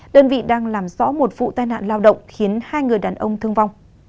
đơn vị đang làm rõ một vụ tai nạn lao động khiến hai người đàn ông thương vong